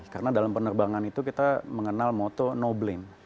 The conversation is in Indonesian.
karena dalam penerbangan itu kita mengenal moto no blame